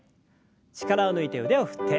力を抜いて腕を振って。